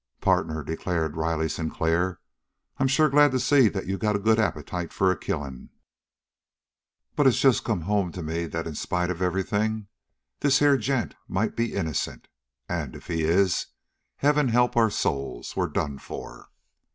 "Partner," declared Riley Sinclair, "I'm sure glad to see that you got a good appetite for a killing. But it's just come home to me that in spite of everything, this here gent might be innocent. And if he is, heaven help our souls. We're done for!"